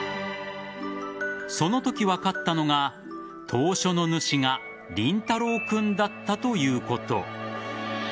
そのとき、分かったのが投書の主が凛太郎君だったということ。